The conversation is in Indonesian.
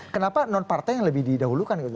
kenapa non partai yang lebih didahulukan gitu